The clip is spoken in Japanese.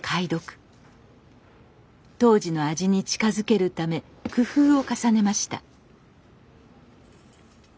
当時の味に近づけるため工夫を重ねました。